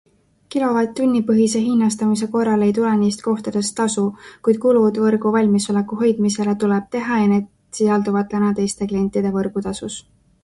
Kilovatt-tunni põhise hinnastamise korral ei tule neist kohtadest tasu, kuid kulud võrgu valmisoleku hoidmisele tuleb teha ja need sisalduvad täna teiste klientide võrgutasus.